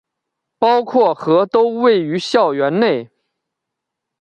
包括和都位于校园内。